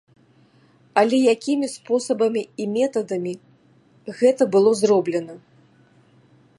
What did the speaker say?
Але якімі спосабамі і метадамі гэта было зроблена?